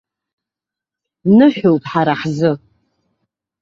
Ныҳәоуп ҳара ҳзы.